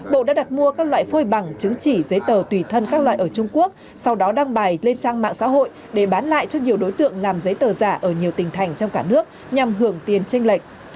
bộ đã đặt mua các loại phôi bằng chứng chỉ giấy tờ tùy thân các loại ở trung quốc sau đó đăng bài lên trang mạng xã hội để bán lại cho nhiều đối tượng làm giấy tờ giả ở nhiều tỉnh thành trong cả nước nhằm hưởng tiền tranh lệch